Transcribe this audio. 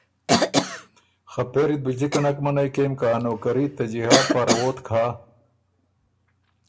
خه پېری ت بُو جِکه نک منعئ کېم که ا نوکري ت ته جهاد پاره ووتک هۀ۔